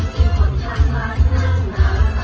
สวัสดีครับ